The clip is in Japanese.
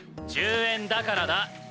１０円だからだ。